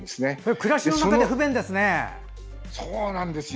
暮らしの中で不便ですね。